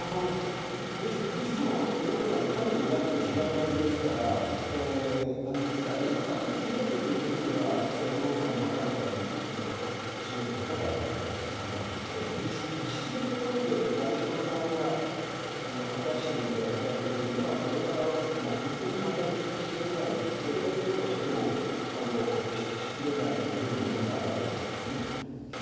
どうしても猿翁さんのかげになってしまいがちですから、いわゆる一般的知名度ということでは、それは猿翁さんのほうがはるかに知名度高かったわけですけれども、しかし、実質のところで段四郎さんが果たしていた役割というのは、これはもう本当に計り知れない、どれだけ評価をしてもしきれないだけのものがあったと思いますね。